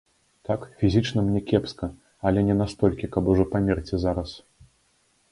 Так, фізічна мне кепска, але не настолькі, каб ужо памерці зараз.